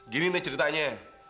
gini deh ceritanya